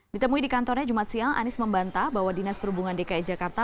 ditemui di kantornya jumat siang anies membantah bahwa dinas perhubungan dki jakarta